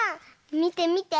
みてみて。